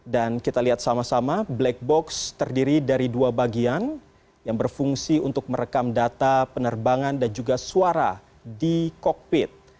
dan kita lihat sama sama black box terdiri dari dua bagian yang berfungsi untuk merekam data penerbangan dan juga suara di kokpit